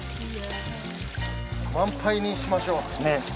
満杯にしましょう。ねぇ。